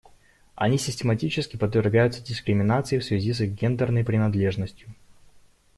Они систематически подвергаются дискриминации в связи с их гендерной принадлежностью.